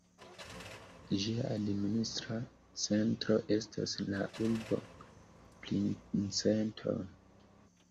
Ĝia administra centro estas la urbo Princeton.